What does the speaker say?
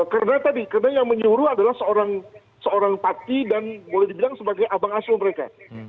karena tadi karena yang menyuruh adalah seorang pati dan boleh dibilang sebagai abang asli mereka